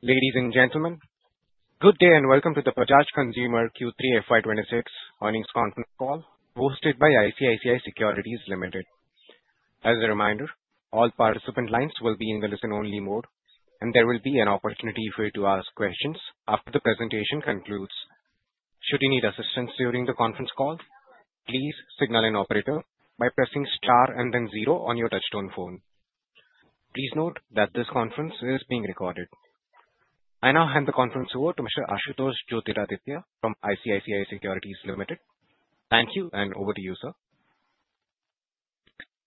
Ladies and gentlemen, good day and welcome to the Bajaj Consumer Care Q3 FY 2026 earnings conference call, hosted by ICICI Securities Limited. As a reminder, all participant lines will be in the listen-only mode, and there will be an opportunity for you to ask questions after the presentation concludes. Should you need assistance during the conference call, please signal an operator by pressing star and then zero on your touchtone phone. Please note that this conference is being recorded. I now hand the conference over to Mr. Ashutosh Joytiraditya from ICICI Securities Limited. Thank you, and over to you, sir.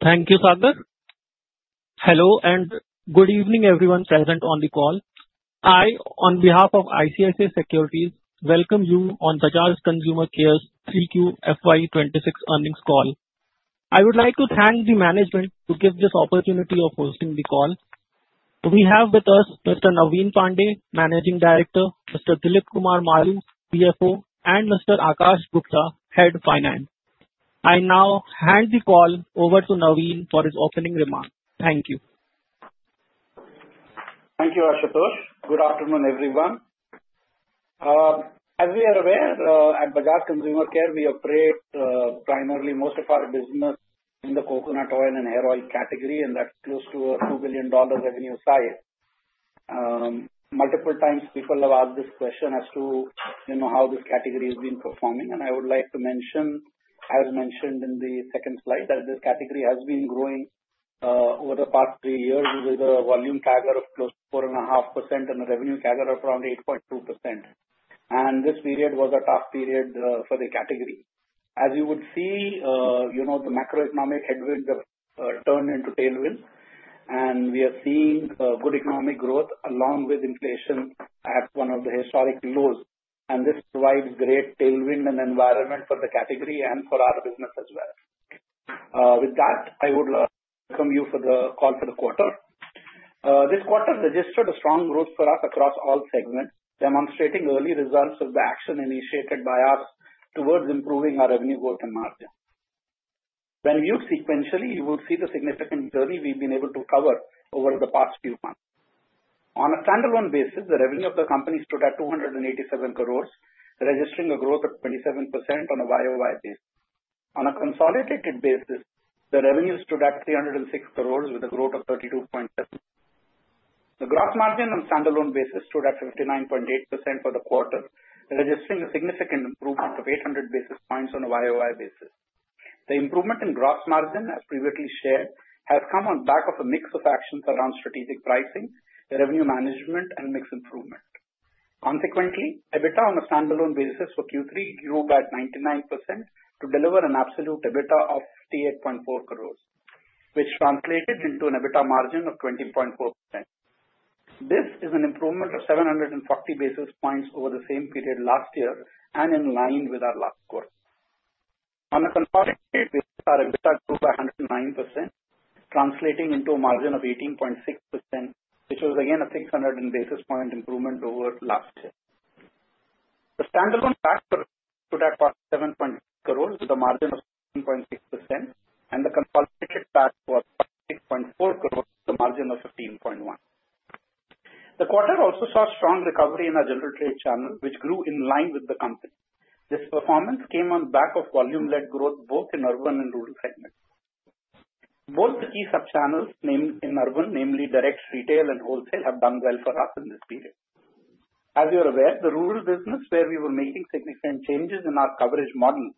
Thank you, Sagar. Hello, and good evening, everyone present on the call. I, on behalf of ICICI Securities, welcome you on Bajaj Consumer Care's Q3 FY 2026 earnings call. I would like to thank the management for giving this opportunity of hosting the call. We have with us Mr. Naveen Pandey, Managing Director, Mr. Dilip Kumar Maloo, CFO, and Mr. Aakash Gupta, Head of Finance. I now hand the call over to Naveen for his opening remarks. Thank you. Thank you, Ashutosh. Good afternoon, everyone. As we are aware, at Bajaj Consumer Care, we operate primarily most of our business in the coconut oil and hair oil category, and that's close to a $2 billion revenue side. Multiple times, people have asked this question as to how this category has been performing, and I would like to mention, as mentioned in the second slide, that this category has been growing over the past three years with a volume CAGR of close to 4.5% and a revenue CAGR of around 8.2%. And this period was a tough period for the category. As you would see, the macroeconomic headwinds have turned into tailwinds, and we are seeing good economic growth along with inflation at one of the historic lows. And this provides great tailwind and environment for the category and for our business as well. With that, I would welcome you for the call for the quarter. This quarter registered a strong growth for us across all segments, demonstrating early results of the action initiated by us towards improving our revenue growth and margin. When viewed sequentially, you will see the significant journey we've been able to cover over the past few months. On a standalone basis, the revenue of the company stood at 287 crores, registering a growth of 27% on a YOY basis. On a consolidated basis, the revenue stood at 306 crores with a growth of 32.7%. The gross margin on a standalone basis stood at 59.8% for the quarter, registering a significant improvement of 800 basis points on a YOY basis. The improvement in gross margin, as previously shared, has come on the back of a mix of actions around strategic pricing, revenue management, and mixed improvement. Consequently, EBITDA on a standalone basis for Q3 grew by 99% to deliver an absolute EBITDA of 58.4 crores, which translated into an EBITDA margin of 20.4%. This is an improvement of 740 basis points over the same period last year and in line with our last quarter. On a consolidated basis, our EBITDA grew by 109%, translating into a margin of 18.6%, which was again a 600 basis point improvement over last year. The standalone factor stood at 7.6 crores with a margin of 16.6%, and the consolidated factor was 8.4 crores with a margin of 15.1%. The quarter also saw strong recovery in our general trade channel, which grew in line with the company. This performance came on the back of volume-led growth both in urban and rural segments. Both the key sub-channels in urban, namely direct retail and wholesale, have done well for us in this period. As you're aware, the rural business, where we were making significant changes in our coverage model,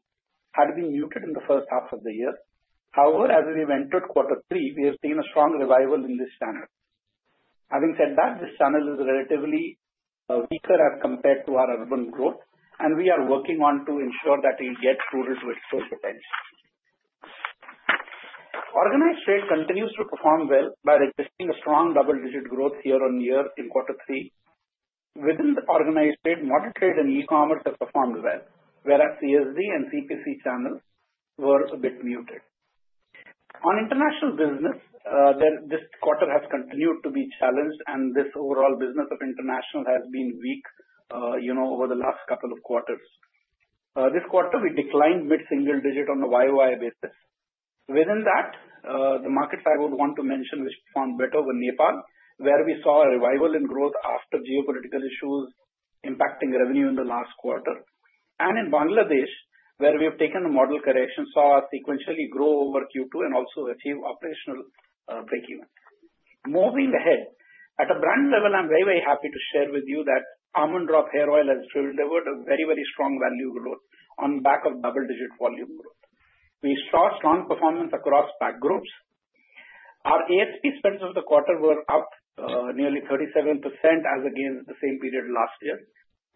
had been muted in the first half of the year. However, as we've entered quarter three, we have seen a strong revival in this channel. Having said that, this channel is relatively weaker as compared to our urban growth, and we are working on to ensure that it gets rural to its full potential. Organized trade continues to perform well by registering a strong double-digit growth year-on-year in quarter three. Within the organized trade, modern trade and e-commerce have performed well, whereas CSD and CPC channels were a bit muted. On international business, this quarter has continued to be challenged, and this overall business of international has been weak over the last couple of quarters. This quarter, we declined mid-single digit on a YOY basis. Within that, the markets I would want to mention which performed better were Nepal, where we saw a revival in growth after geopolitical issues impacting revenue in the last quarter, and in Bangladesh, where we have taken a model correction, saw us sequentially grow over Q2 and also achieve operational break-even. Moving ahead, at a brand level, I'm very, very happy to share with you that Almond Drops Hair Oil has delivered a very, very strong value growth on the back of double-digit volume growth. We saw strong performance across pack groups. Our A&SP spends of the quarter were up nearly 37% as against the same period last year.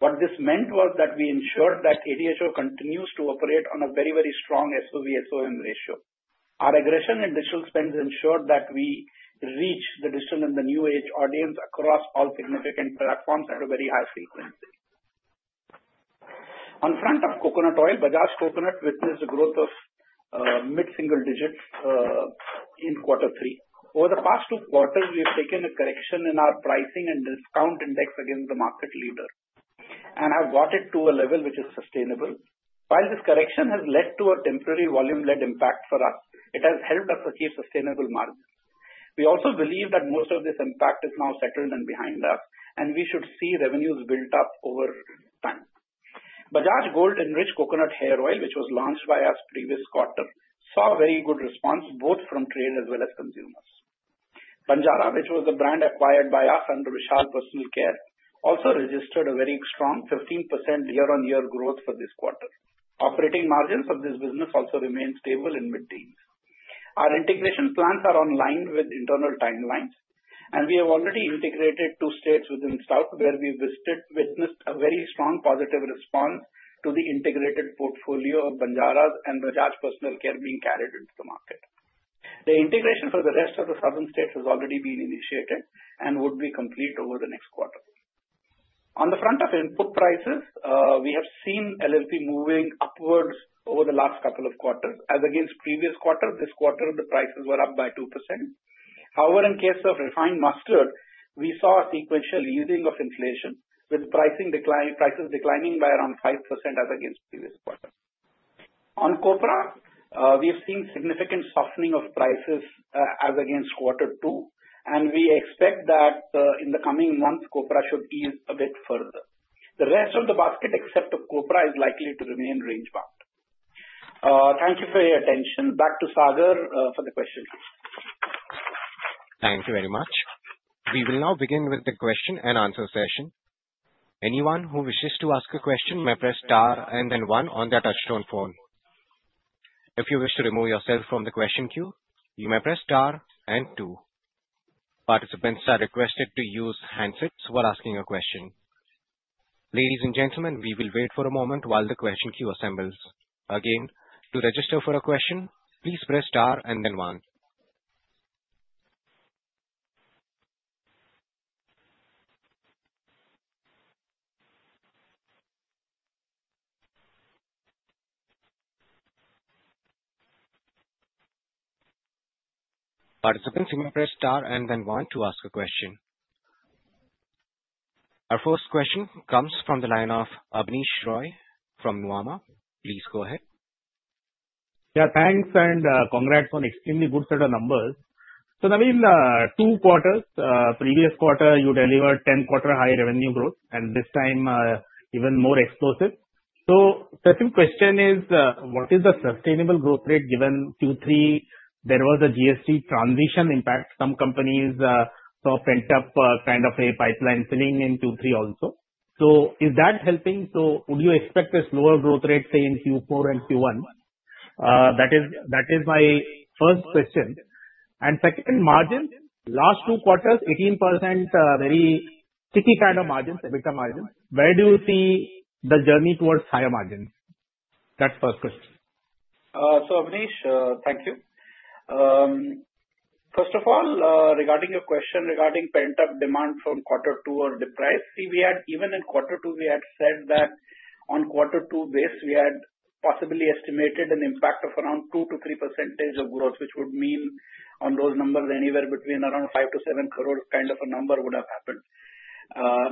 What this meant was that we ensured that ADHO continues to operate on a very, very strong SOV/SOM ratio. Our aggression and digital spends ensured that we reach the digital and the new age audience across all significant platforms at a very high frequency. On the front of coconut oil, Bajaj Coconut Oil witnessed a growth of mid-single digits in quarter three. Over the past two quarters, we have taken a correction in our pricing and discount index against the market leader and have brought it to a level which is sustainable. While this correction has led to a temporary volume-led impact for us, it has helped us achieve sustainable margins. We also believe that most of this impact is now settled and behind us, and we should see revenues built up over time. Bajaj Gold Enriched Coconut Hair Oil, which was launched by us previous quarter, saw a very good response both from trade as well as consumers. Banjara's, which was a brand acquired by us under Vishal Personal Care, also registered a very strong 15% year-on-year growth for this quarter. Operating margins of this business also remained stable in mid-teens. Our integration plans are in line with internal timelines, and we have already integrated two states within south where we witnessed a very strong positive response to the integrated portfolio of Banjara's and Bajaj Personal Care being carried into the market. The integration for the rest of the southern states has already been initiated and would be complete over the next quarter. On the front of input prices, we have seen LLP moving upwards over the last couple of quarters. As against previous quarter, this quarter, the prices were up by 2%. However, in case of refined mustard, we saw a sequential easing of inflation with prices declining by around 5% as against previous quarter. On copra, we have seen significant softening of prices as against quarter two, and we expect that in the coming months, copra should ease a bit further. The rest of the basket, except for copra, is likely to remain range-bound. Thank you for your attention. Back to Sagar for the question. Thank you very much. We will now begin with the question-and-answer session. Anyone who wishes to ask a question may press star and then one on their touchtone phone. If you wish to remove yourself from the question queue, you may press star and two. Participants are requested to use handsets while asking a question. Ladies and gentlemen, we will wait for a moment while the question queue assembles. Again, to register for a question, please press star and then one. Participants, you may press star and then one to ask a question. Our first question comes from the line of Abneesh Roy from Nuvama. Please go ahead. Yeah, thanks, and congrats on an extremely good set of numbers. So, Naveen, two quarters. Previous quarter, you delivered 10-quarter high revenue growth, and this time, even more explosive. So, the second question is, what is the sustainable growth rate given Q3? There was a GST transition impact. Some companies sort of pent up kind of a pipeline ceiling in Q3 also. So, is that helping? So, would you expect a slower growth rate, say, in Q4 and Q1? That is my first question. And second, margins. Last two quarters, 18% very sticky kind of margins, EBITDA margins. Where do you see the journey towards higher margins? That's the first question. Abneesh, thank you. First of all, regarding your question regarding pent-up demand from quarter two or the price, see, we had, even in quarter two, we had said that on quarter two base, we had possibly estimated an impact of around 2%-3% of growth, which would mean on those numbers, anywhere between around 5 crore-7 crore kind of a number would have happened.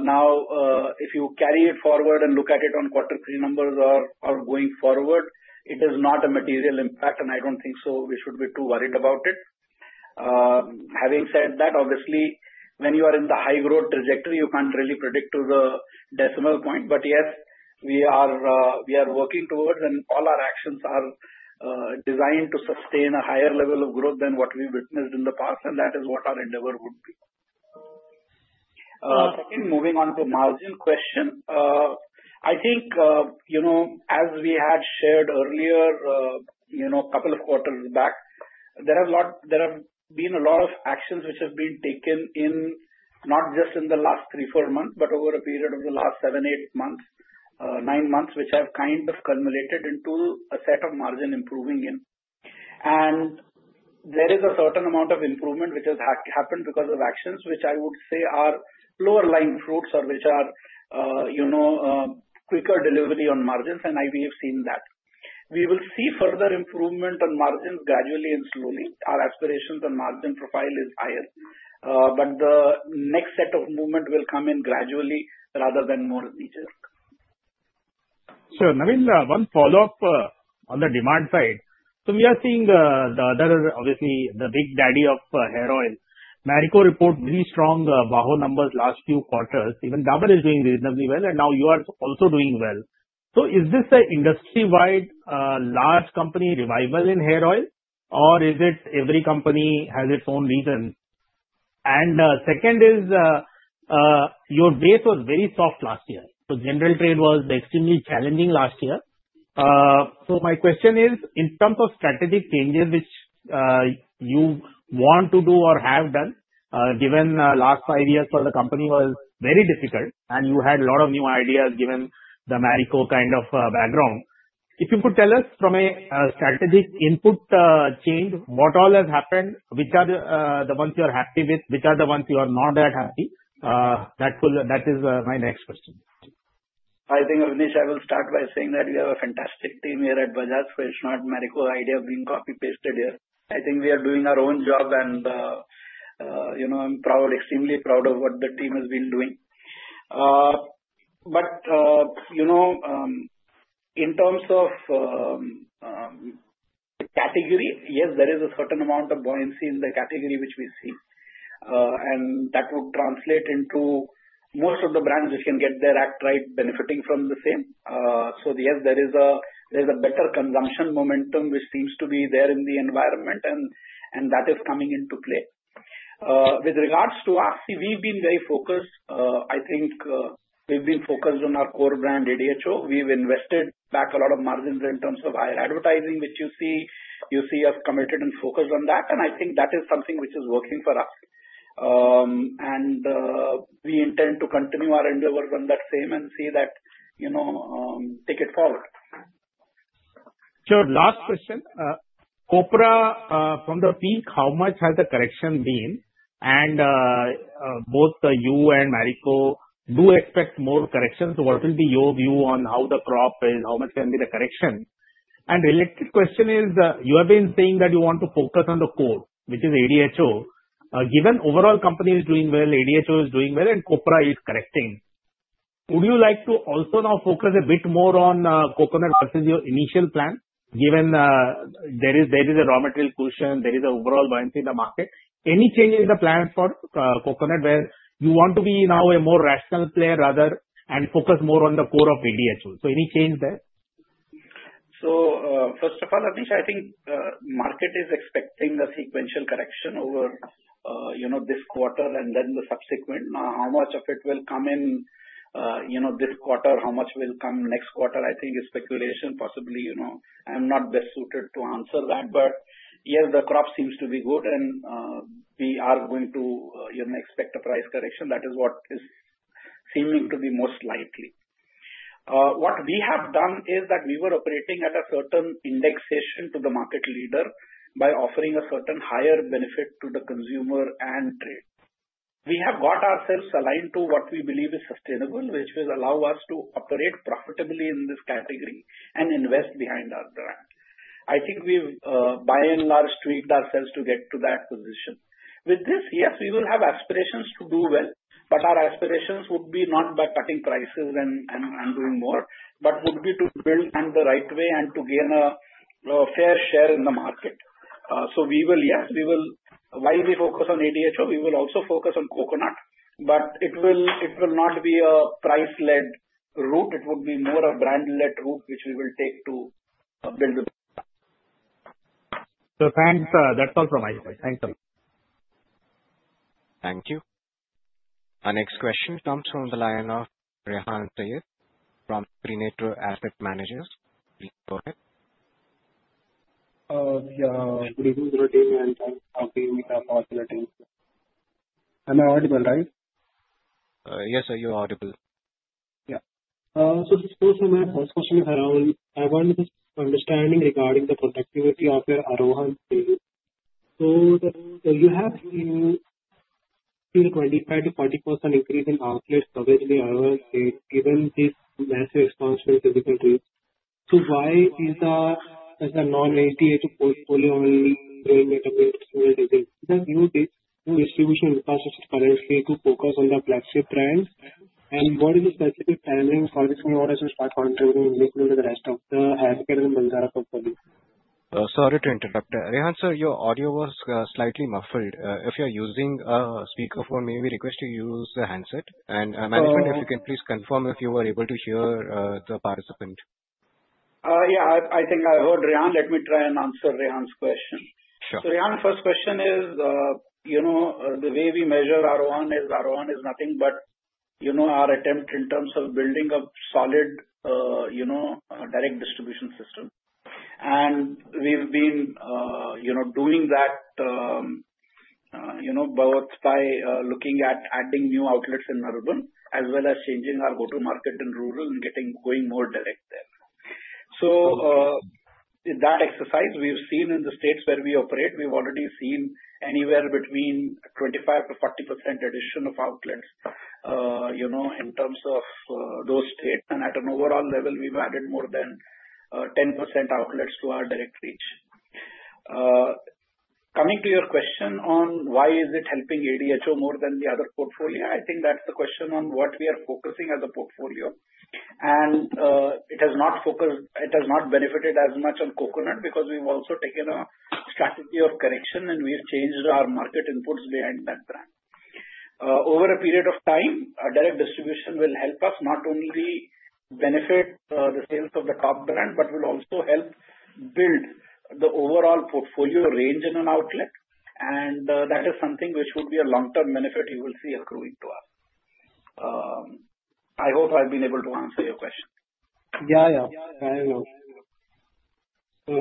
Now, if you carry it forward and look at it on quarter three numbers or going forward, it is not a material impact, and I don't think so we should be too worried about it. Having said that, obviously, when you are in the high growth trajectory, you can't really predict to the decimal point, but yes, we are working towards, and all our actions are designed to sustain a higher level of growth than what we witnessed in the past, and that is what our endeavor would be. Moving on to margin question, I think, as we had shared earlier, a couple of quarters back, there have been a lot of actions which have been taken, not just in the last three, four months, but over a period of the last seven, eight months, nine months, which have kind of culminated into a set of margin improving in, and there is a certain amount of improvement which has happened because of actions which I would say are low-hanging fruits or which are quicker delivery on margins, and we have seen that. We will see further improvement on margins gradually and slowly. Our aspirations on margin profile is higher, but the next set of movement will come in gradually rather than more meteoric. So, Naveen, one follow-up on the demand side. So, we are seeing the other, obviously, the big daddy of hair oil. Marico reported really strong VAHO numbers last few quarters. Even Dabur is doing reasonably well, and now you are also doing well. So, is this an industry-wide large company revival in hair oil, or is it every company has its own reason? And second is, your base was very soft last year. So, general trade was extremely challenging last year. So, my question is, in terms of strategic changes which you want to do or have done, given the last five years for the company was very difficult, and you had a lot of new ideas given the Marico kind of background, if you could tell us from a strategic input change, what all has happened, which are the ones you are happy with, which are the ones you are not that happy? That is my next question. I think, Abneesh, I will start by saying that we have a fantastic team here at Bajaj, so it's not Marico idea being copy-pasted here. I think we are doing our own job, and I'm extremely proud of what the team has been doing. But in terms of category, yes, there is a certain amount of buoyancy in the category which we see, and that would translate into most of the brands which can get their act right, benefiting from the same. So, yes, there is a better consumption momentum which seems to be there in the environment, and that is coming into play. With regards to us, see, we've been very focused. I think we've been focused on our core brand, ADHO. We've invested back a lot of margins in terms of higher advertising, which you see us committed and focused on that, and I think that is something which is working for us, and we intend to continue our endeavors on that same and see that take it forward. Sure. Last question. Copra, from the peak, how much has the correction been? And both you and Marico do expect more corrections. What will be your view on how the crop is? How much can be the correction? And related question is, you have been saying that you want to focus on the core, which is ADHO. Given overall company is doing well, ADHO is doing well, and Copra is correcting, would you like to also now focus a bit more on coconut versus your initial plan? Given there is a raw material cushion, there is an overall buoyancy in the market, any change in the plan for coconut where you want to be now a more rational player rather and focus more on the core of ADHO? So, any change there? So, first of all, Abneesh, I think the market is expecting a sequential correction over this quarter and then the subsequent. Now, how much of it will come in this quarter, how much will come next quarter, I think is speculation. Possibly, I'm not best suited to answer that, but yes, the crop seems to be good, and we are going to expect a price correction. That is what is seeming to be most likely. What we have done is that we were operating at a certain indexation to the market leader by offering a certain higher benefit to the consumer and trade. We have got ourselves aligned to what we believe is sustainable, which will allow us to operate profitably in this category and invest behind our brand. I think we've, by and large, tweaked ourselves to get to that position. With this, yes, we will have aspirations to do well, but our aspirations would be not by cutting prices and doing more, but would be to build in the right way and to gain a fair share in the market. So, yes, while we focus on ADHO, we will also focus on coconut, but it will not be a price-led route. It would be more a brand-led route which we will take to build the. So, thanks. That's all from my side. Thanks a lot. Thank you. Our next question comes from the line of Rehan Syed from [inaudible] Asset Managers. Please go ahead. Yeah. Good evening, good evening, and thanks for being with us for today. Am I audible, right? Yes, sir, you're audible. Yeah. So, first of all, my first question is around. I want to understand regarding the productivity of your Aarohan trade. So, you have seen a 25%-40% increase in outlets covering the Aarohan trade given this massive expansion in physical trade. So, why is the non-ADHO portfolio only going at a very similar? Is that due to distribution infrastructure currently to focus on the flagship brands? And what is the specific timeline for this new order to start contributing in the rest of the hair care and Banjara portfolio? Sorry to interrupt. Rehan sir, your audio was slightly muffled. If you're using a speakerphone, may we request you use the handset? And management, if you can, please confirm if you were able to hear the participant. Yeah, I think I heard Rehan. Let me try and answer Rehan's question. Sure. Rehan, the first question is, the way we measure Aarohan is Aarohan is nothing but our attempt in terms of building a solid direct distribution system. We've been doing that both by looking at adding new outlets in urban as well as changing our go-to-market in rural and going more direct there. That exercise, we've seen in the states where we operate, we've already seen anywhere between 25%-40% addition of outlets in terms of those states. At an overall level, we've added more than 10% outlets to our direct reach. Coming to your question on why is it helping ADHO more than the other portfolio, I think that's the question on what we are focusing as a portfolio. It has not benefited as much on coconut because we've also taken a strategy of correction, and we've changed our market inputs behind that brand. Over a period of time, direct distribution will help us not only benefit the sales of the top brand, but will also help build the overall portfolio range in an outlet. And that is something which would be a long-term benefit you will see accruing to us. I hope I've been able to answer your question. Yeah, yeah. I know. So,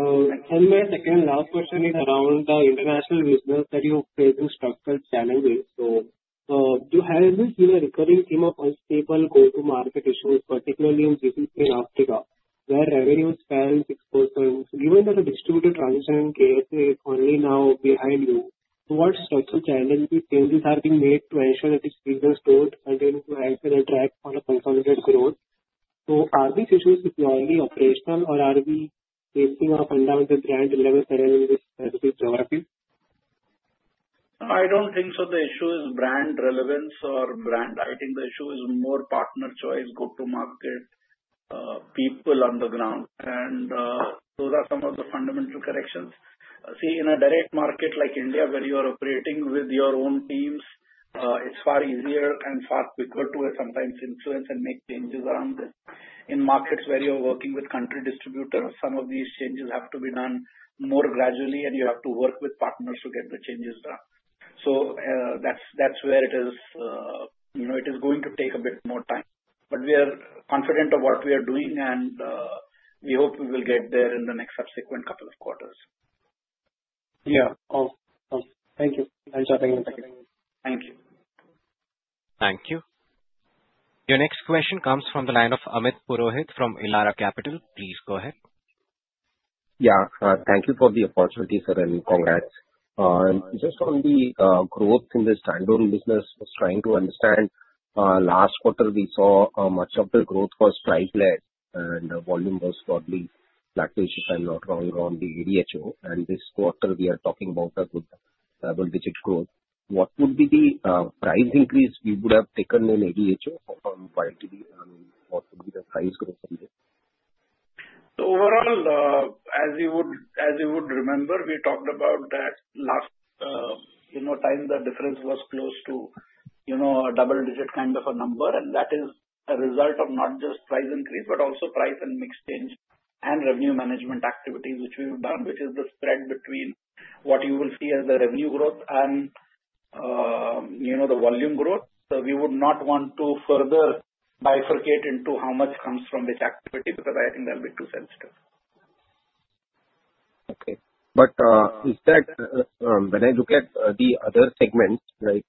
sir, my second last question is around the international business that you're facing structural challenges. So, have you seen a recurring theme of unstable go-to-market issues, particularly in GCC and Africa, where revenues fell 6%? Given that the distributor transition in KSA is only now behind you, what structural challenges and changes are being made to ensure that these reasons don't continue to act as a drag on consolidated growth? So, are these issues purely operational, or are we facing a fundamental brand irrelevance in this specific geography? I don't think so, the issue is brand relevance or brand. I think the issue is more partner choice, go-to-market, people on the ground, and those are some of the fundamental corrections. See, in a direct market like India, where you are operating with your own teams, it's far easier and far quicker to sometimes influence and make changes around this. In markets where you're working with country distributors, some of these changes have to be done more gradually, and you have to work with partners to get the changes done, so that's where it is going to take a bit more time, but we are confident of what we are doing, and we hope we will get there in the next subsequent couple of quarters. Yeah. Thank you. Thanks for taking the time. Thank you. Thank you. Your next question comes from the line of Amit Purohit from Elara Capital. Please go ahead. Yeah. Thank you for the opportunity, sir, and congrats. Just on the growth in the standalone business, I was trying to understand. Last quarter, we saw much of the growth was GT-led, and the volume was probably flat, which is not wrong around the ADHO, and this quarter, we are talking about a good double-digit growth. What would be the price increase we would have taken in ADHO from YTD? What would be the price growth from there? So, overall, as you would remember, we talked about that last time, the difference was close to a double-digit kind of a number. And that is a result of not just price increase, but also price and mix change and revenue management activities, which we've done, which is the spread between what you will see as the revenue growth and the volume growth. So, we would not want to further bifurcate into how much comes from which activity because I think that'll be too sensitive. Okay, but when I look at the other segments, like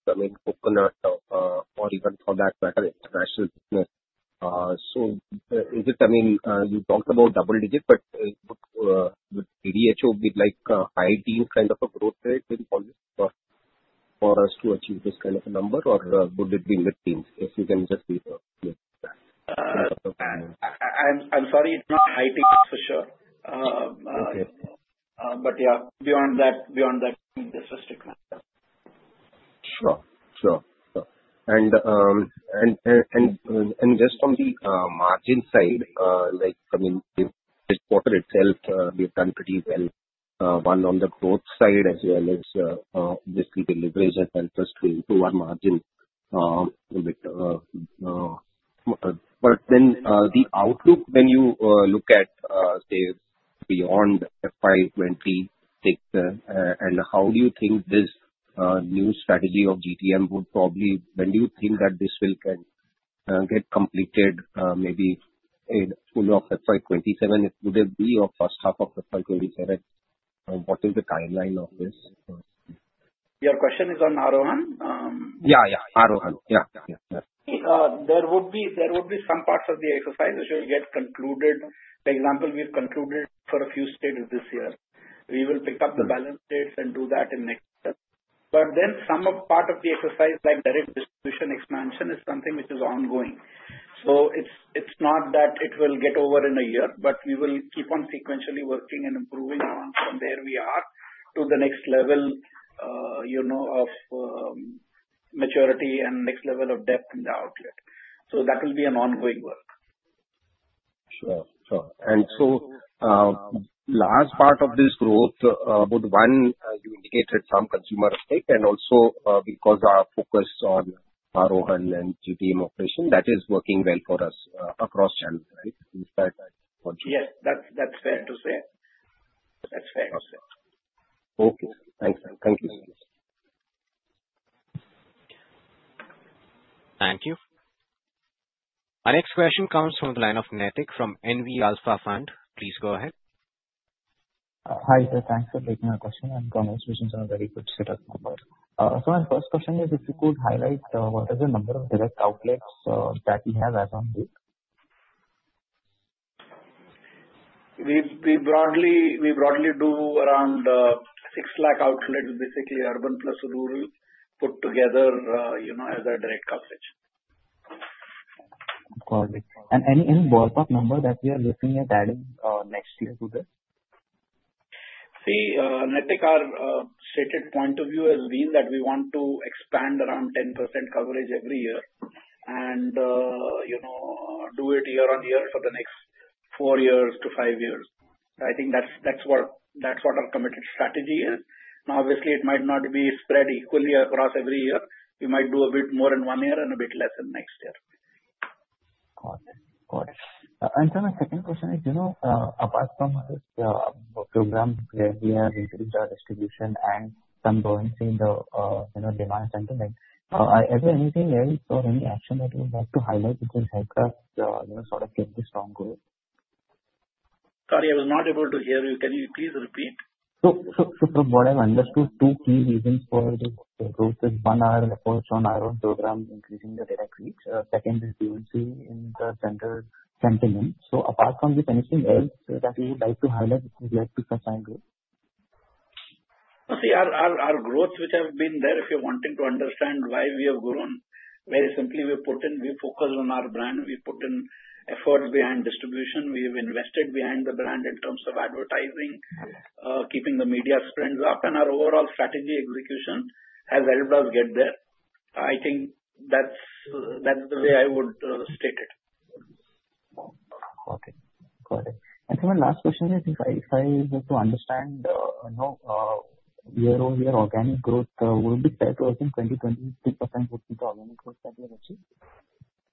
coconut or even for that matter, international business, I mean, you talked about double-digit, but would ADHO be like a high-teens kind of a growth rate for us to achieve this kind of a number, or would it be mid-teens? If you can just give that. I'm sorry, it's not high teen for sure. But yeah, beyond that, this restriction. Sure. And just from the margin side, I mean, this quarter itself, we've done pretty well. One on the growth side as well as, obviously, delivery and help us to improve our margin. But then the outlook, when you look at, say, beyond FY 2026, and how do you think this new strategy of GTM would probably, when do you think that this will get completed, maybe in full of FY 2027? It would be your first half of FY 2027. What is the timeline of this? Your question is on Aarohan? Yeah, yeah. Aarohan. Yeah. Yeah. There would be some parts of the exercise which will get concluded. For example, we've concluded for a few states this year. We will pick up the balance states and do that in next step. But then some part of the exercise, like direct distribution expansion, is something which is ongoing. So, it's not that it will get over in a year, but we will keep on sequentially working and improving from where we are to the next level of maturity and next level of depth in the outlet. So, that will be an ongoing work. Sure. Sure. And so, last part of this growth, with one, you indicated some consumer stake, and also because our focus on Aarohan and GTM operation, that is working well for us across channels, right? Is that what you? Yes, that's fair to say. That's fair to say. Okay. Thanks. Thank you. Thank you. Our next question comes from the line of Naitik from NV Alpha Fund. Please go ahead. Hi, sir. Thanks for taking my question. I'm from [inaudible] and I'm very good setup number. My first question is, if you could highlight what is the number of direct outlets that we have as of late? We broadly do around 6 lakh outlets, basically urban plus rural, put together as a direct coverage. Got it. And any ballpark number that we are looking at adding next year to this? See, Naitik, our stated point of view has been that we want to expand around 10% coverage every year and do it year on year for the next four years to five years. I think that's what our committed strategy is. Now, obviously, it might not be spread equally across every year. We might do a bit more in one year and a bit less in next year. Got it. Got it. And so, my second question is, apart from this program where we have increased our distribution and some buoyancy in the demand center, is there anything else or any action that you would like to highlight which will help us sort of keep this strong growth? Sorry, I was not able to hear you. Can you please repeat? So, from what I've understood, two key reasons for this growth is one, our approach on our own program, increasing the direct reach. Second is buoyancy in the consumer sentiment. So, apart from this, anything else that you would like to highlight which would contribute to growth? See, our growth, which I've been there, if you're wanting to understand why we have grown, very simply, we focus on our brand. We put in effort behind distribution. We have invested behind the brand in terms of advertising, keeping the media spends up, and our overall strategy execution has helped us get there. I think that's the way I would state it. Okay. Got it. And so, my last question is, if I have to understand, your organic growth would be set to 2020, 50% would be the organic growth that you have achieved?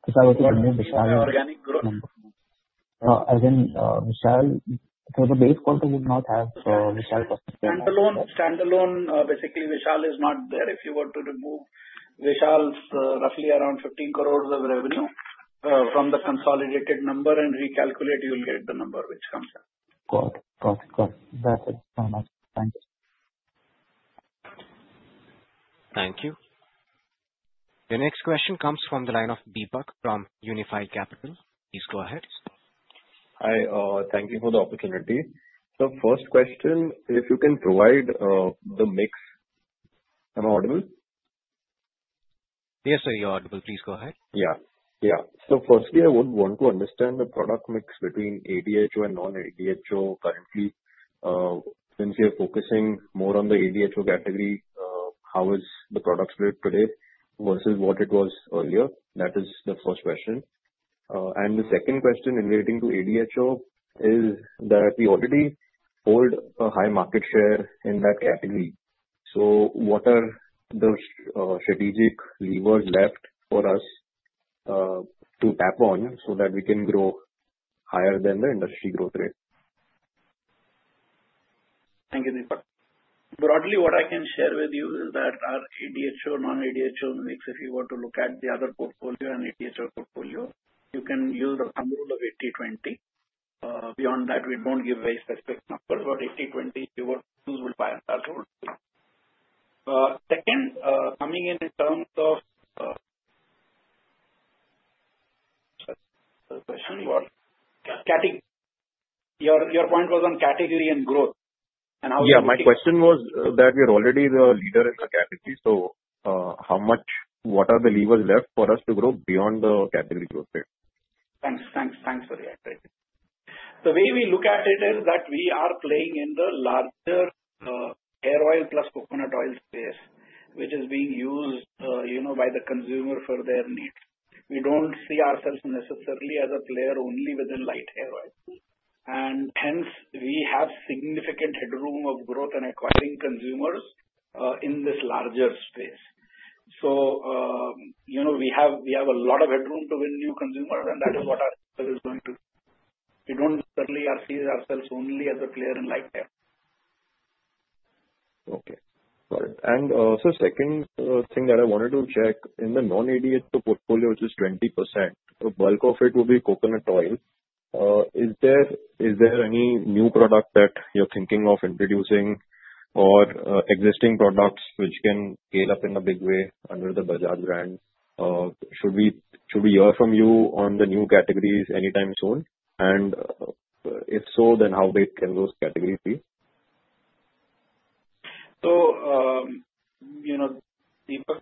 If I were to remove Vishal's number. Again, Vishal, so the base quarter would not have Vishal's perspective. Standalone, basically, Vishal is not there. If you were to remove Vishal's roughly around 15 crores of revenue from the consolidated number and recalculate, you'll get the number which comes out. Got it. Got it. Got it. Perfect. Thank you so much. Thank you. Thank you. Your next question comes from the line of Deepak from Unifi Capital. Please go ahead. Hi. Thank you for the opportunity. So, first question, if you can provide the mix. Am I audible? Yes, sir, you're audible. Please go ahead. So, firstly, I would want to understand the product mix between ADHO and non-ADHO currently. Since we are focusing more on the ADHO category, how is the product split today versus what it was earlier? That is the first question. And the second question in relating to ADHO is that we already hold a high market share in that category. So, what are the strategic levers left for us to tap on so that we can grow higher than the industry growth rate? Thank you, Deepak. Broadly, what I can share with you is that our ADHO, non-ADHO mix, if you were to look at the other portfolio and ADHO portfolio, you can use the thumb rule of 80/20. Beyond that, we don't give very specific numbers, but 80/20, you will find that rule. Second, coming in terms of, sorry, question. Your point was on category and growth and how you. Yeah, my question was that we're already the leader in the category. So, what are the levers left for us to grow beyond the category growth rate? Thanks for the accurate. The way we look at it is that we are playing in the larger hair oil plus coconut oil space, which is being used by the consumer for their needs. We don't see ourselves necessarily as a player only within light hair oil. And hence, we have significant headroom of growth and acquiring consumers in this larger space. So, we have a lot of headroom to win new consumers, and that is what our goal is going to be. We don't currently see ourselves only as a player in light hair. Okay. Got it. And so, second thing that I wanted to check, in the non-ADHO portfolio, which is 20%, the bulk of it will be coconut oil. Is there any new product that you're thinking of introducing or existing products which can scale up in a big way under the Bajaj brand? Should we hear from you on the new categories anytime soon? And if so, then how big can those categories be? So, Deepak,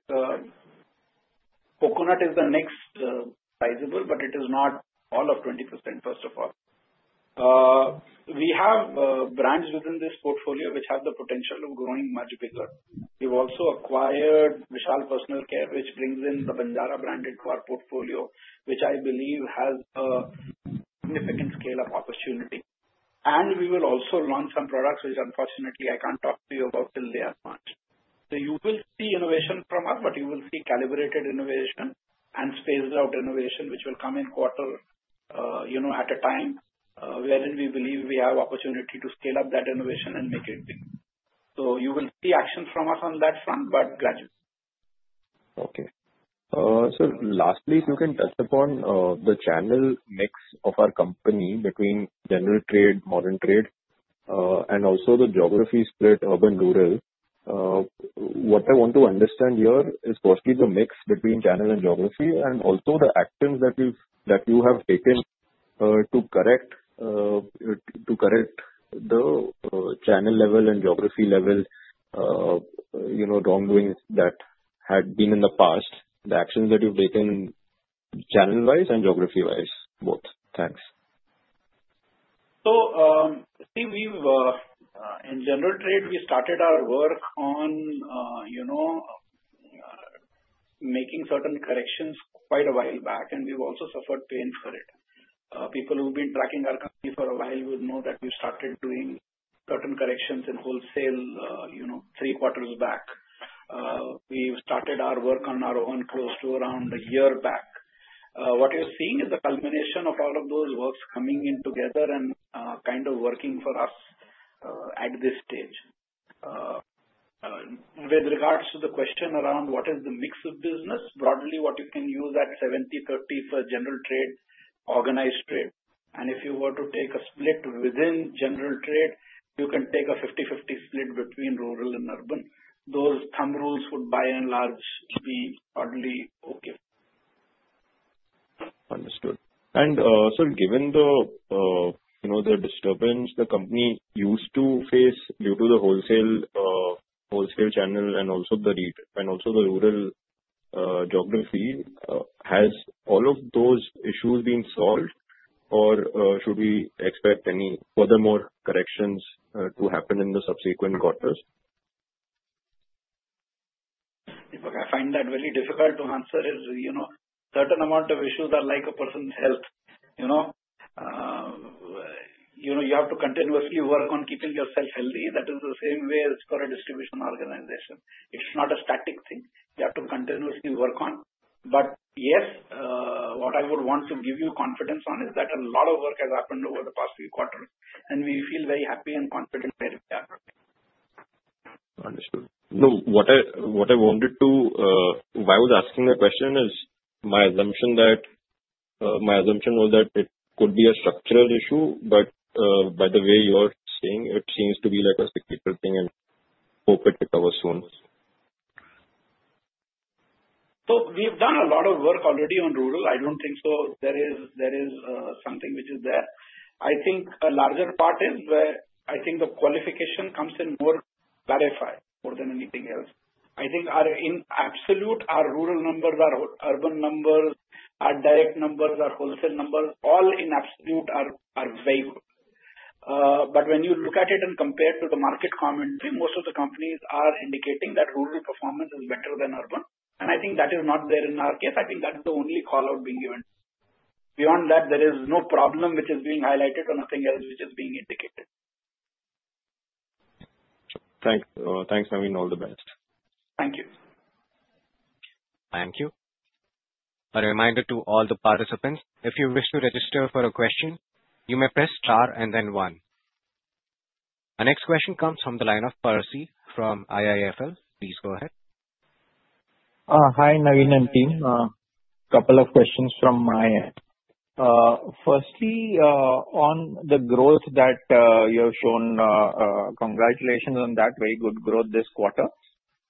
coconut is the next sizable, but it is not all of 20%, first of all. We have brands within this portfolio which have the potential of growing much bigger. We've also acquired Vishal Personal Care, which brings in the Banjara's brand into our portfolio, which I believe has a significant scale-up opportunity. And we will also launch some products which, unfortunately, I can't talk to you about till then much. So, you will see innovation from us, but you will see calibrated innovation and spaced-out innovation which will come in quarter at a time wherein we believe we have opportunity to scale up that innovation and make it big. So, you will see action from us on that front, but gradually. Okay. So, lastly, if you can touch upon the channel mix of our company between general trade, modern trade, and also the geography split, urban-rural, what I want to understand here is mostly the mix between channel and geography and also the actions that you have taken to correct the channel level and geography level wrongdoings that had been in the past, the actions that you've taken channel-wise and geography-wise, both. Thanks. See, in general trade, we started our work on making certain corrections quite a while back, and we've also suffered pains for it. People who've been tracking our company for a while would know that we started doing certain corrections in wholesale three quarters back. We started our work on our own close to around a year back. What you're seeing is the culmination of all of those works coming in together and kind of working for us at this stage. With regards to the question around what is the mix of business, broadly, what you can use at 70/30 for general trade, organized trade. If you were to take a split within general trade, you can take a 50/50 split between rural and urban. Those thumb rules would, by and large, be totally okay. Understood. And so, given the disturbance the company used to face due to the wholesale channel and also the rural geography, has all of those issues been solved, or should we expect any further corrections to happen in the subsequent quarters? Deepak, I find that very difficult to answer, as a certain amount of issues are like a person's health. You have to continuously work on keeping yourself healthy. That is the same way as for a distribution organization. It's not a static thing. You have to continuously work on. But yes, what I would want to give you confidence on is that a lot of work has happened over the past few quarters, and we feel very happy and confident where we are. Understood. No, why I was asking the question is my assumption was that it could be a structural issue, but by the way you're saying, it seems to be like a cyclical thing, and hope it recovers soon. So, we've done a lot of work already on rural. I don't think so. There is something which is there. I think a larger part is where I think the qualification comes in more clarified more than anything else. I think in absolute, our rural numbers, our urban numbers, our direct numbers, our wholesale numbers, all in absolute are very good. But when you look at it and compare to the market commentary, most of the companies are indicating that rural performance is better than urban. And I think that is not there in our case. I think that's the only callout being given. Beyond that, there is no problem which is being highlighted or nothing else which is being indicated. Thanks. Thanks, Naveen. All the best. Thank you. Thank you. A reminder to all the participants, if you wish to register for a question, you may press star and then one. Our next question comes from the line of Percy from IIFL. Please go ahead. Hi, Naveen and team. A couple of questions from my end. Firstly, on the growth that you have shown, congratulations on that very good growth this quarter.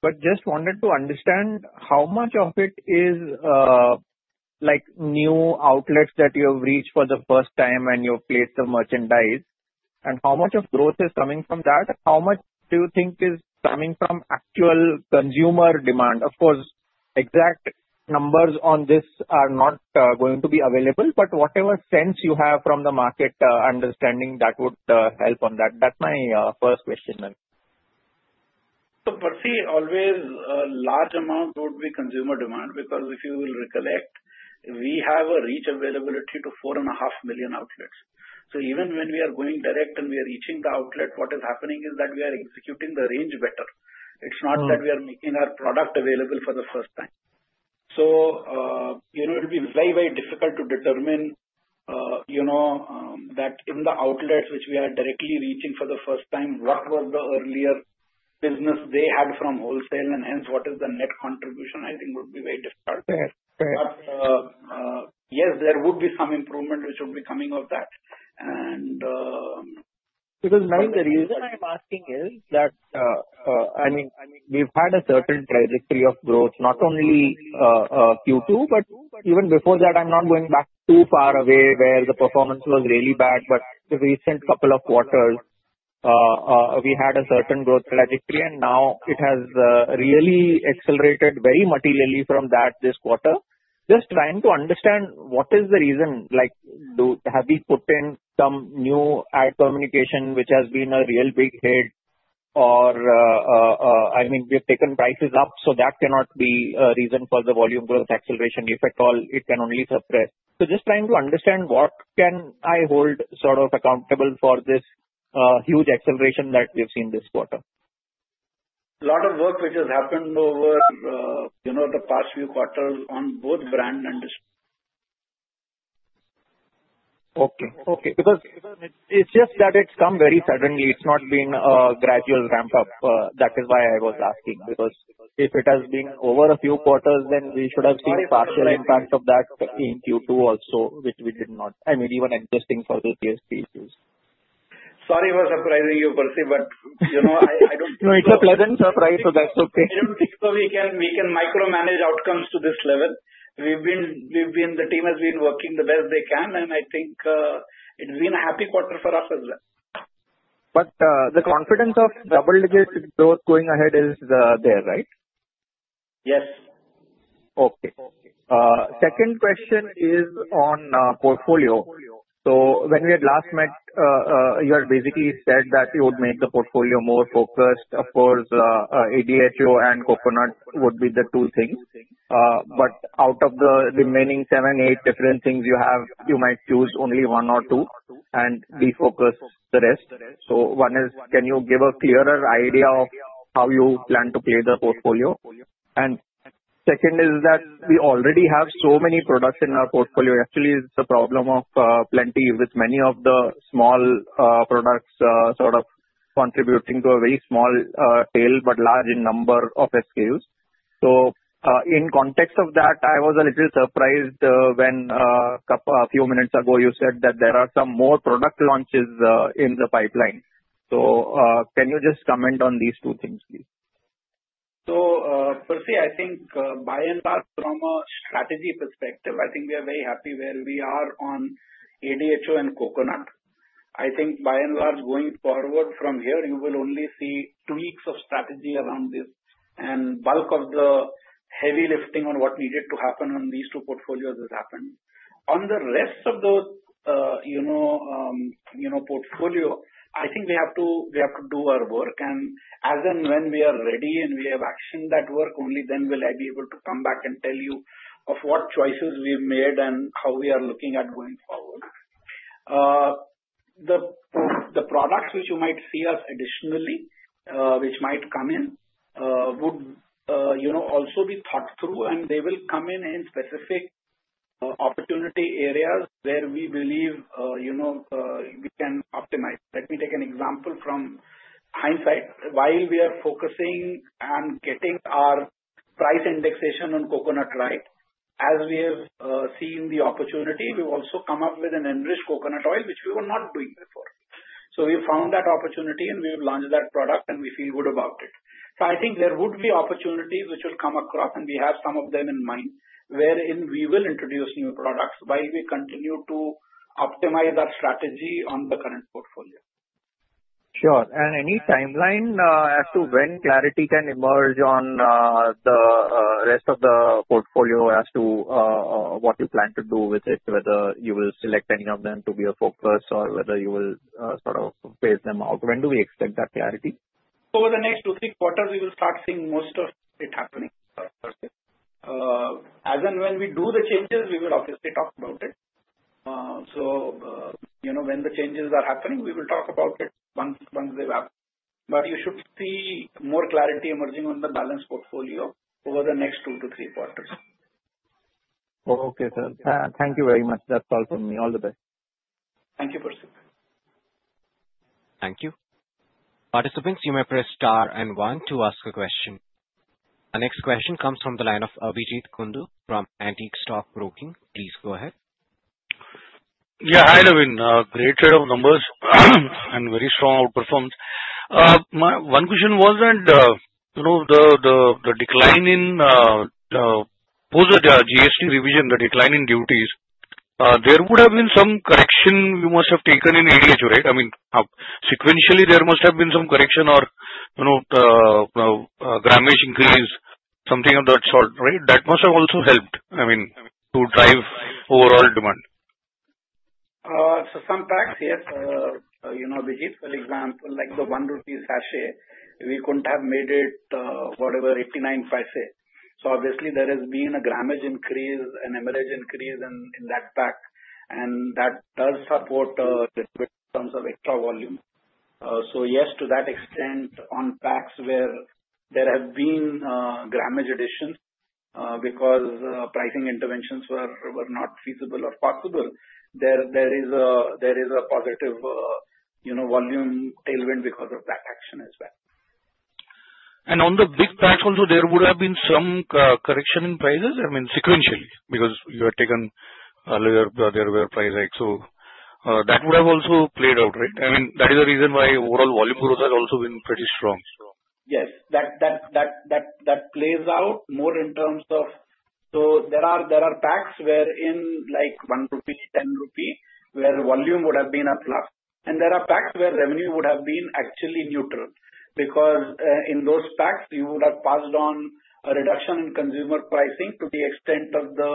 But just wanted to understand how much of it is new outlets that you have reached for the first time and you've placed the merchandise, and how much of growth is coming from that? How much do you think is coming from actual consumer demand? Of course, exact numbers on this are not going to be available, but whatever sense you have from the market understanding, that would help on that. That's my first question, Amit. Percy, always a large amount would be consumer demand because if you will recollect, we have a reach availability to 4.5 million outlets. So, even when we are going direct and we are reaching the outlet, what is happening is that we are executing the range better. It's not that we are making our product available for the first time. So, it will be very, very difficult to determine that in the outlets which we are directly reaching for the first time, what was the earlier business they had from wholesale, and hence, what is the net contribution. I think would be very difficult. Fair. Fair. But yes, there would be some improvement which would be coming of that. And. Because, Naveen, the reason I'm asking is that, I mean, we've had a certain trajectory of growth, not only Q2, but even before that, I'm not going back too far away where the performance was really bad, but the recent couple of quarters, we had a certain growth trajectory, and now it has really accelerated very materially from that this quarter. Just trying to understand what is the reason. Have we put in some new ad communication which has been a real big hit? Or, I mean, we've taken prices up, so that cannot be a reason for the volume growth acceleration. If at all, it can only suppress. So, just trying to understand what can I hold sort of accountable for this huge acceleration that we've seen this quarter. A lot of work which has happened over the past few quarters on both brand and. Okay. Okay, because it's just that it's come very suddenly. It's not been a gradual ramp-up. That is why I was asking, because if it has been over a few quarters, then we should have seen partial impact of that in Q2 also, which we did not. I mean, even interesting for the GST issues. Sorry for surprising you, Percy, but I don't think. No, it's a pleasant surprise, so that's okay. I don't think so we can micromanage outcomes to this level. The team has been working the best they can, and I think it's been a happy quarter for us as well. But the confidence of double-digit growth going ahead is there, right? Yes. Okay. Second question is on portfolio. So, when we had last met, you had basically said that you would make the portfolio more focused. Of course, ADHO and coconut would be the two things. But out of the remaining seven, eight different things you have, you might choose only one or two and de-focus the rest. So, one is, can you give a clearer idea of how you plan to play the portfolio? And second is that we already have so many products in our portfolio. Actually, it's the problem of plenty with many of the small products sort of contributing to a very small scale but large number of SKUs. So, in context of that, I was a little surprised when a few minutes ago you said that there are some more product launches in the pipeline. So, can you just comment on these two things, please? Percy, I think by and large, from a strategy perspective, I think we are very happy where we are on ADHO and coconut. I think by and large, going forward from here, you will only see tweaks of strategy around this. The bulk of the heavy lifting on what needed to happen on these two portfolios has happened. On the rest of the portfolio, I think we have to do our work. As and when we are ready and we have actioned that work, only then will I be able to come back and tell you of what choices we've made and how we are looking at going forward. The products which you might see us additionally which might come in would also be thought through, and they will come in in specific opportunity areas where we believe we can optimize. Let me take an example from hindsight. While we are focusing on getting our price indexation on coconut right, as we have seen the opportunity, we've also come up with an enriched coconut oil which we were not doing before. So, we found that opportunity, and we've launched that product, and we feel good about it. So, I think there would be opportunities which will come across, and we have some of them in mind wherein we will introduce new products while we continue to optimize our strategy on the current portfolio. Sure. And any timeline as to when clarity can emerge on the rest of the portfolio as to what you plan to do with it, whether you will select any of them to be a focus or whether you will sort of phase them out? When do we expect that clarity? Over the next two to three quarters, we will start seeing most of it happening. As and when we do the changes, we will obviously talk about it. So, when the changes are happening, we will talk about it once they're up. But you should see more clarity emerging on the balance portfolio over the next two to three quarters. Okay, sir. Thank you very much. That's all from me. All the best. Thank you, Percy. Thank you. Participants, you may press star and one to ask a question. Our next question comes from the line of Abhijeet Kundu from Antique Stock Broking. Please go ahead. Yeah. Hi, Naveen. Great set of numbers and very strong outperformance. One question was that the decline in post-GST revision, the decline in duties, there would have been some correction you must have taken in ADHO, right? I mean, sequentially, there must have been some correction or grammage increase, something of that sort, right? That must have also helped, I mean, to drive overall demand. So, some packs, yes. Abhijeet, for example, like the 1 rupee sachet, we couldn't have made it whatever, 0.89. So, obviously, there has been a grammage increase and MRP increase in that pack, and that does support a little bit in terms of extra volume. So, yes, to that extent, on packs where there have been grammage additions because pricing interventions were not feasible or possible, there is a positive volume tailwind because of that action as well. And on the big packs also, there would have been some correction in prices, I mean, sequentially, because you had taken a little bit of their price hike. So, that would have also played out, right? I mean, that is the reason why overall volume growth has also been pretty strong. Yes. That plays out more in terms of, so, there are packs wherein like 1 rupee, 10 rupee, where volume would have been a plus. And there are packs where revenue would have been actually neutral because in those packs, you would have passed on a reduction in consumer pricing to the extent of the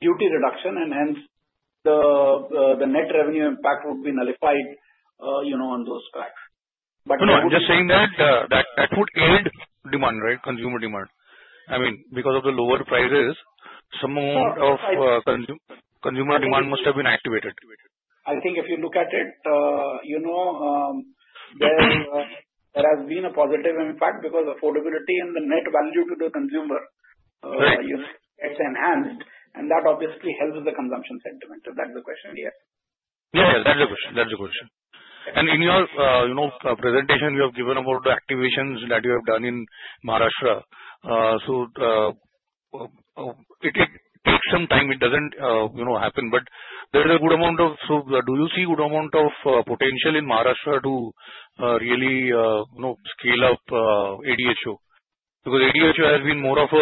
duty reduction, and hence, the net revenue impact would be nullified on those packs. No, I'm just saying that that would aid demand, right? Consumer demand. I mean, because of the lower prices, some of the consumer demand must have been activated. I think if you look at it, there has been a positive impact because affordability and the net value to the consumer gets enhanced, and that obviously helps the consumption sentiment. That's the question, yes. Yeah, yeah. That's the question. That's the question. And in your presentation, you have given about the activations that you have done in Maharashtra. So, it takes some time. It doesn't happen. But there is a good amount of, so do you see a good amount of potential in Maharashtra to really scale up ADHO? Because ADHO has been more of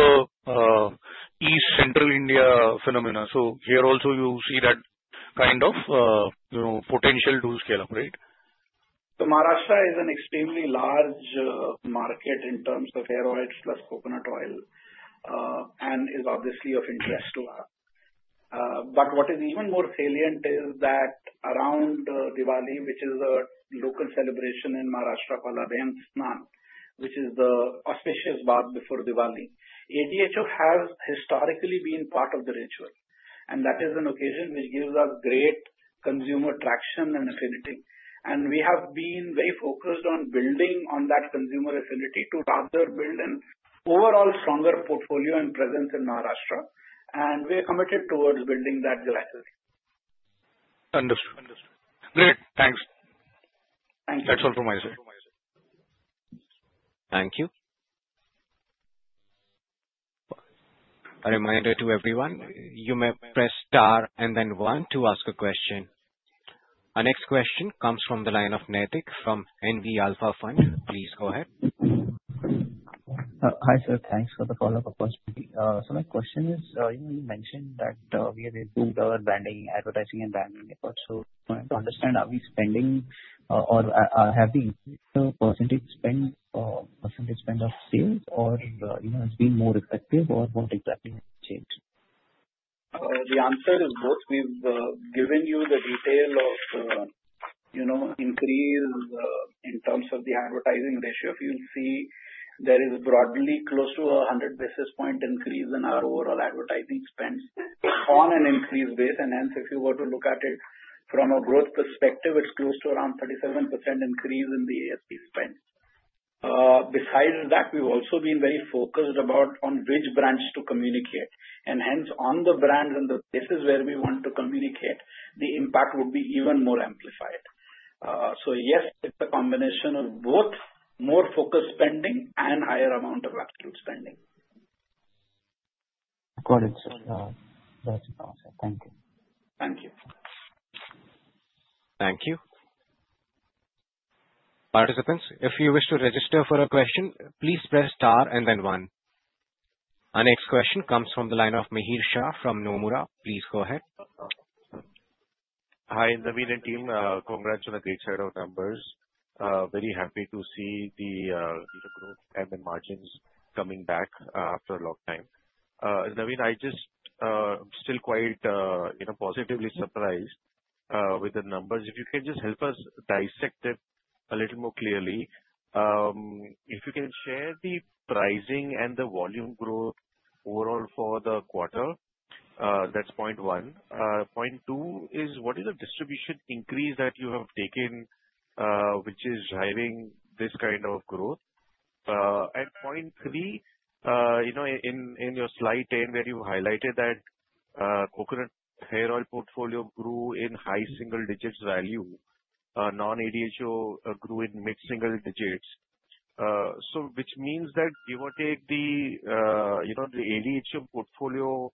an East Central India phenomenon. So, here also, you see that kind of potential to scale up, right? Maharashtra is an extremely large market in terms of hair oils plus coconut oil and is obviously of interest to us. What is even more salient is that around Diwali, which is a local celebration in Maharashtra, called Abhyang Snan, which is the auspicious bath before Diwali, ADHO has historically been part of the ritual. That is an occasion which gives us great consumer traction and affinity. We have been very focused on building on that consumer affinity to rather build an overall stronger portfolio and presence in Maharashtra. We are committed towards building that loyalty. Understood. Understood. Great. Thanks. Thank you. That's all from my side. Thank you. A reminder to everyone, you may press star and then one to ask a question. Our next question comes from the line of Naitik from NV Alpha Fund. Please go ahead. Hi, sir. Thanks for the follow-up, Percy. So, my question is, you mentioned that we have improved our branding, advertising, and branding efforts. So, to understand, are we spending or have we increased the percentage spend of sales or has it been more effective, or what exactly has changed? The answer is both. We've given you the detail of increase in terms of the advertising ratio. You'll see there is broadly close to 100 basis points increase in our overall advertising spend on an increased base. And hence, if you were to look at it from a growth perspective, it's close to around 37% increase in the ASP spend. Besides that, we've also been very focused on which brands to communicate. And hence, on the brands and the places where we want to communicate, the impact would be even more amplified. So, yes, it's a combination of both more focused spending and higher amount of absolute spending. Got it, sir. That's all. Thank you. Thank you. Thank you. Participants, if you wish to register for a question, please press star and then one. Our next question comes from the line of Mihir Shah from Nomura. Please go ahead. Hi, Naveen and team. Congrats on a great set of numbers. Very happy to see the growth and the margins coming back after a long time. Naveen, I'm still quite positively surprised with the numbers. If you can just help us dissect it a little more clearly. If you can share the pricing and the volume growth overall for the quarter, that's point one. Point two is, what is the distribution increase that you have taken which is driving this kind of growth? And point three, in your slide 10, where you highlighted that coconut hair oil portfolio grew in high single digits value, non-ADHO grew in mid-single digits, which means that give or take the ADHO portfolio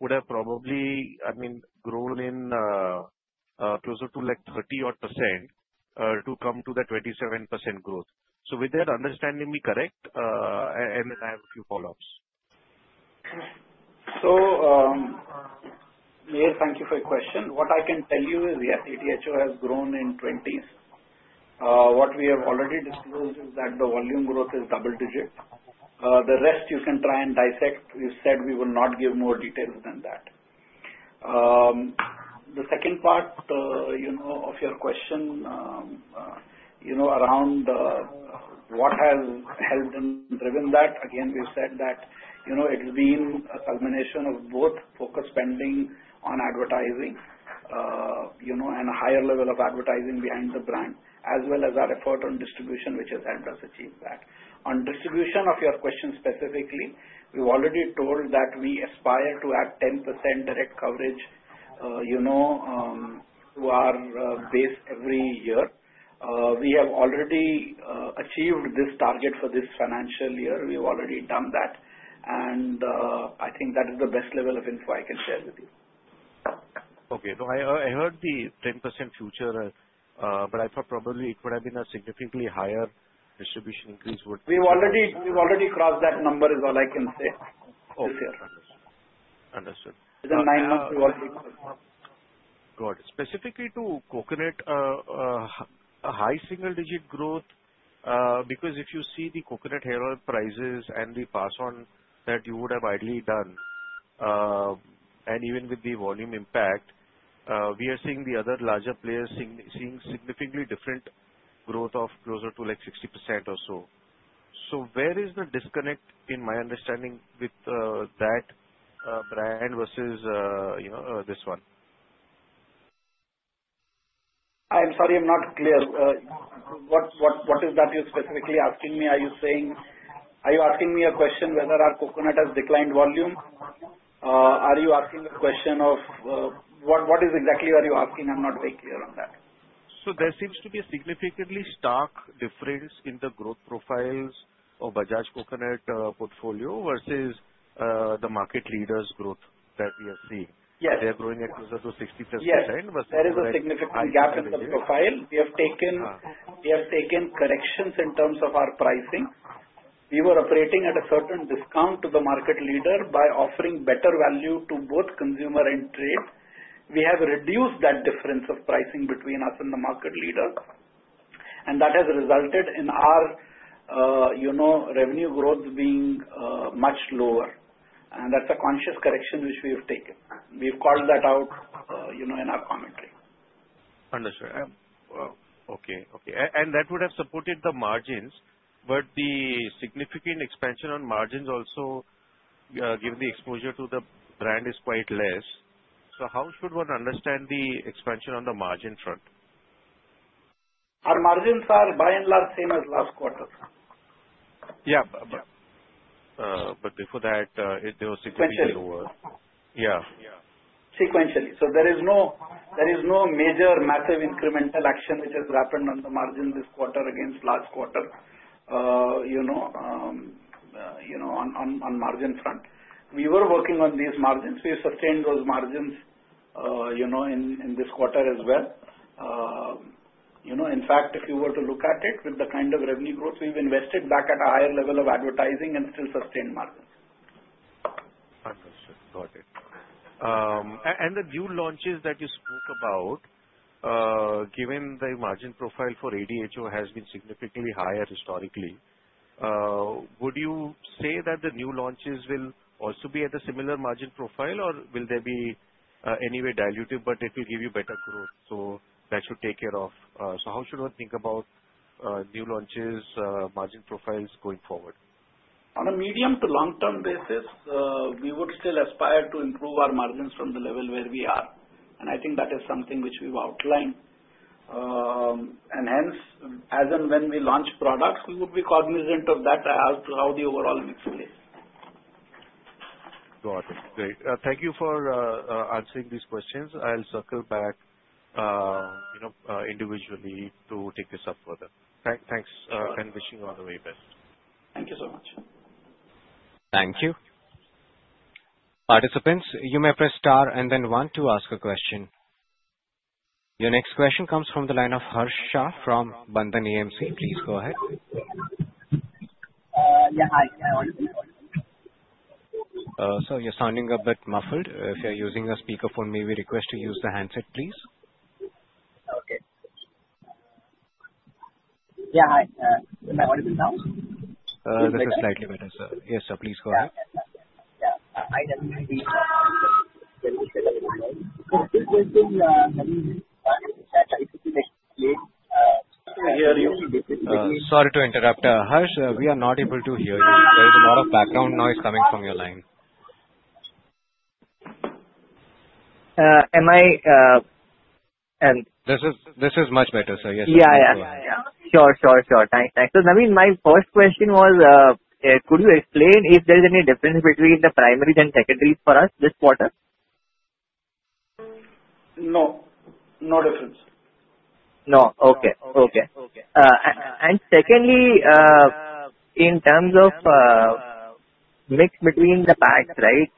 would have probably, I mean, grown in closer to like 30% to come to the 27% growth. So, with that, is my understanding correct? And then I have a few follow-ups. Mihir, thank you for your question. What I can tell you is, yes, ADHO has grown in 20s. What we have already disclosed is that the volume growth is double-digit. The rest, you can try and dissect. You said we will not give more details than that. The second part of your question around what has helped and driven that, again, we've said that it's been a culmination of both focus spending on advertising and a higher level of advertising behind the brand, as well as our effort on distribution, which has helped us achieve that. On distribution of your question specifically, we've already told that we aspire to add 10% direct coverage to our base every year. We have already achieved this target for this financial year. We've already done that. And I think that is the best level of info I can share with you. Okay. No, I heard the 10% figure, but I thought probably it would have been a significantly higher distribution increase. We've already crossed that number. Is all I can say this year. Understood. Understood. Within nine months, we've already crossed that. Got it. Specifically to coconut, high single-digit growth because if you see the coconut hair oil prices and the pass-on that you would have ideally done, and even with the volume impact, we are seeing the other larger players seeing significantly different growth of closer to like 60% or so. So, where is the disconnect, in my understanding, with that brand versus this one? I'm sorry, I'm not clear. What is that you're specifically asking me? Are you asking me a question whether our coconut has declined volume? Are you asking a question of what is exactly are you asking? I'm not very clear on that. There seems to be a significantly stark difference in the growth profiles of Bajaj Coconut portfolio versus the market leaders' growth that we are seeing. They are growing at closer to 60% versus Bajaj. Yes. There is a significant gap in the profile. We have taken corrections in terms of our pricing. We were operating at a certain discount to the market leader by offering better value to both consumer and trade. We have reduced that difference of pricing between us and the market leader. And that has resulted in our revenue growth being much lower. And that's a conscious correction which we have taken. We've called that out in our commentary. Understood. Okay. And that would have supported the margins, but the significant expansion on margins also given the exposure to the brand is quite less. So, how should one understand the expansion on the margin front? Our margins are by and large same as last quarter. Yeah. But before that, they were significantly lower. Sequentially. Yeah. Sequentially. So, there is no major massive incremental action which has happened on the margin this quarter against last quarter on margin front. We were working on these margins. We have sustained those margins in this quarter as well. In fact, if you were to look at it with the kind of revenue growth, we've invested back at a higher level of advertising and still sustained margins. Understood. Got it. And the new launches that you spoke about, given the margin profile for ADHO has been significantly higher historically, would you say that the new launches will also be at a similar margin profile, or will there be anyway dilutive, but it will give you better growth? So, that should take care of. So, how should one think about new launches, margin profiles going forward? On a medium to long-term basis, we would still aspire to improve our margins from the level where we are. And I think that is something which we've outlined. And hence, as and when we launch products, we would be cognizant of that as to how the overall mix plays. Got it. Great. Thank you for answering these questions. I'll circle back individually to take this up further. Thanks, and wishing you all the very best. Thank you so much. Thank you. Participants, you may press star and then one to ask a question. Your next question comes from the line of Harsha from Bandhan AMC. Please go ahead. Yeah. Hi. Hi. Sir, you're sounding a bit muffled. If you're using a speakerphone, may we request to use the handset, please? Okay. Yeah. Hi. Am I audible now? This is slightly better, sir. Yes, sir. Please go ahead. Yeah. Yeah. I can hear you. Sorry to interrupt. Harsh, we are not able to hear you. There is a lot of background noise coming from your line. Am I? This is much better, sir. Yes, you can go ahead. Yeah. Sure. Thanks. So, Naveen, my first question was, could you explain if there is any difference between the primaries and secondaries for us this quarter? No. No difference. Secondly, in terms of mix between the packs, right,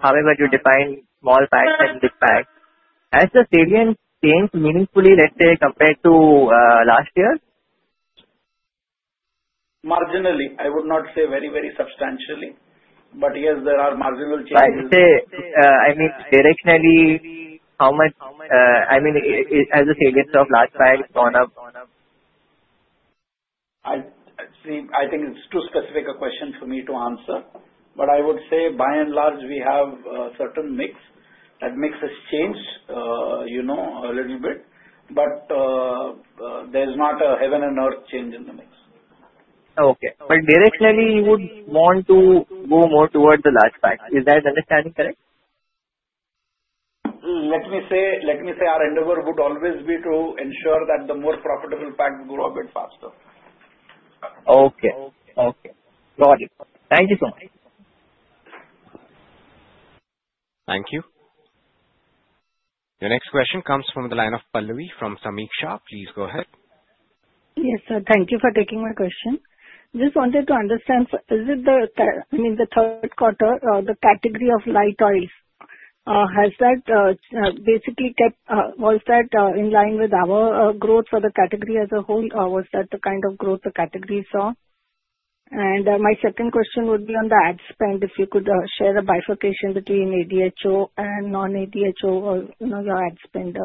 however you define small packs and big packs, has the salience changed meaningfully, let's say, compared to last year? Marginally. I would not say very, very substantially. But yes, there are marginal changes. I'd say, I mean, directionally, how much I mean, has the sales of large packs gone up? See, I think it's too specific a question for me to answer. But I would say, by and large, we have a certain mix. That mix has changed a little bit. But there's not a heaven and earth change in the mix. Okay, but directionally, you would want to go more towards the large packs. Is that understanding correct? Let me say our endeavor would always be to ensure that the more profitable packs grow a bit faster. Okay. Okay. Got it. Thank you so much. Thank you. Your next question comes from the line of Pallavi from Sameeksha Capital. Please go ahead. Yes, sir. Thank you for taking my question. Just wanted to understand, is it, I mean, the third quarter, the category of light oils, has that basically kept? Was that in line with our growth for the category as a whole, or was that the kind of growth the category saw? And my second question would be on the ad spend, if you could share a bifurcation between ADHO and non-ADHO or your ad spend.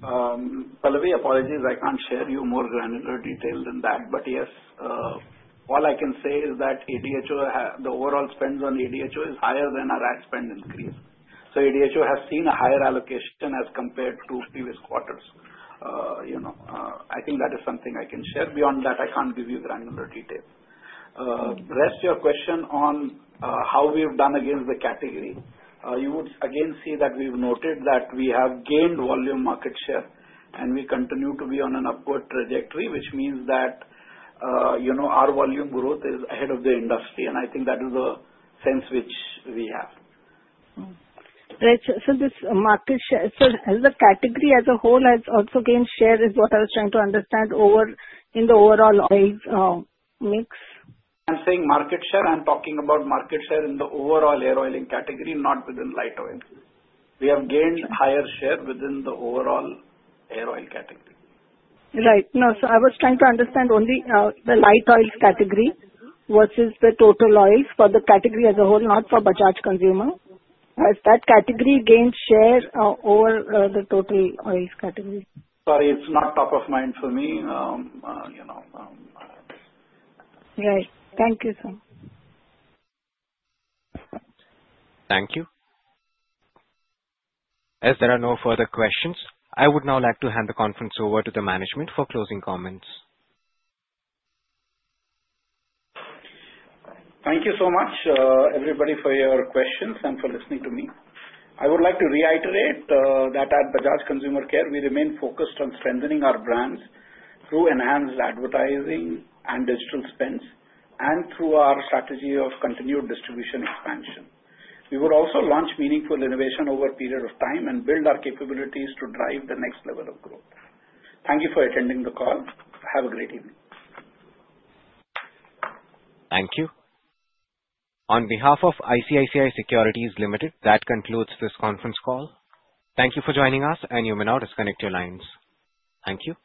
Pallavi, apologies, I can't share with you more granular detail than that. But yes, all I can say is that the overall spend on ADHO is higher than our ad spend increase. So, ADHO has seen a higher allocation as compared to previous quarters. I think that is something I can share. Beyond that, I can't give you granular details. Rest of your question on how we've done against the category, you would again see that we've noted that we have gained volume market share, and we continue to be on an upward trajectory, which means that our volume growth is ahead of the industry. And I think that is the sense which we have. Right. So, this market share, sir, has the category as a whole also gained share is what I was trying to understand in the overall oil mix? I'm saying market share. I'm talking about market share in the overall hair oiling category, not within light oil. We have gained higher share within the overall hair oil category. Right. No, sir, I was trying to understand only the light oil category versus the total oils for the category as a whole, not for Bajaj Consumer. Has that category gained share over the total oils category? Sorry, it's not top of mind for me. Right. Thank you, sir. Thank you. As there are no further questions, I would now like to hand the conference over to the management for closing comments. Thank you so much, everybody, for your questions and for listening to me. I would like to reiterate that at Bajaj Consumer Care, we remain focused on strengthening our brands through enhanced advertising and digital spends, and through our strategy of continued distribution expansion. We would also launch meaningful innovation over a period of time and build our capabilities to drive the next level of growth. Thank you for attending the call. Have a great evening. Thank you. On behalf of ICICI Securities Limited, that concludes this conference call. Thank you for joining us, and you may now disconnect your lines. Thank you.